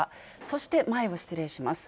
そして、前を失礼します。